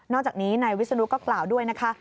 จากนี้นายวิศนุก็กล่าวด้วยนะคะ